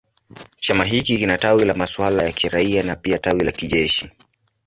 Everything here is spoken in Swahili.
Chama hiki kina tawi la masuala ya kiraia na pia tawi la kijeshi.